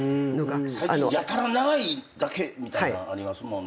最近やたら長いだけみたいなんありますもんね。